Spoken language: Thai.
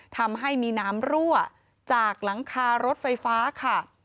ทำให้มีน้ำรั่วจากหลังคารถไฟฟ้าค่ะ